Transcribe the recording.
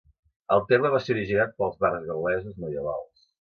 El terme va ser originat pels bards gal·lesos medievals.